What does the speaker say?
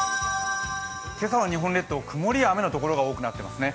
今朝は日本列島、曇りや雨の所が多くなっていますね。